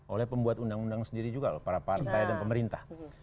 oleh pembuat undang undang sendiri juga loh para partai dan pemerintah